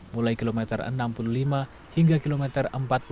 mulai kilometer enam puluh lima hingga kilometer empat puluh lima